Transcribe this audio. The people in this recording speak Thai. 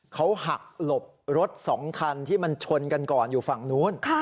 เขาหักหลบรถ๒คันที่มันชนกันก่อนอยู่ฝั่งนู้น